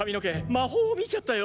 魔法を見ちゃったよ。